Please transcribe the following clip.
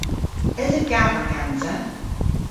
Esa gaver gansa?